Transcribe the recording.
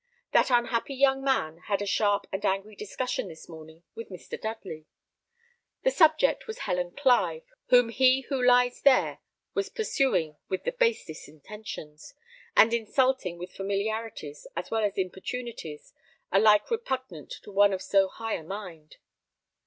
That unhappy young man had a sharp and angry discussion this morning with Mr. Dudley. The subject was Helen Clive, whom he who lies there was pursuing with the basest intentions, and insulting with familiarities as well as importunities, alike repugnant to one of so high a mind.